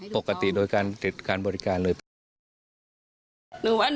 ปกติโดยการโดยการบริการเลยหนึ่งวันหนูก็ได้เลือกบริการนะครับ